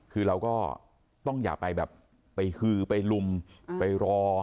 คือเราก็ต้องอย่าไปแบบไปฮือไปลุมไปรอ